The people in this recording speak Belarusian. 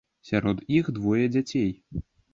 Сярод іх двое дзяцей.